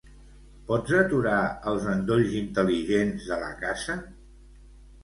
Pots aturar els endolls intel·ligents de la casa?